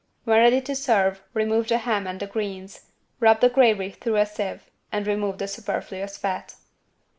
When ready to serve remove the ham and the greens, rub the gravy through a sieve and remove the superfluous fat.